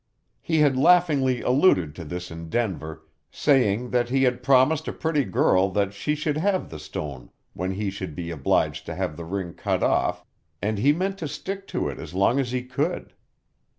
He had laughingly alluded to this in Denver, saying that he had promised a pretty girl that she should have the stone when he should be obliged to have the ring cut off, and he meant to stick to it as long as he could.